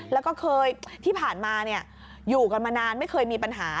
แล้วก็เคยที่ผ่านมาอยู่กันมานานไม่เคยมีปัญหา